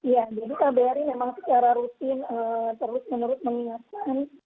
ya jadi kbri memang secara rutin terus menerus mengingatkan